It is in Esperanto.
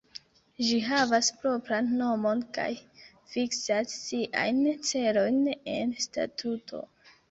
Ĝi havas propran nomon kaj fiksas siajn celojn en statuto.